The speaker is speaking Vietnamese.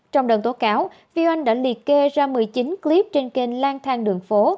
trong đơn tố cáo vy oanh đã liệt kê ra một mươi chín clip trên kênh lan thang đường phố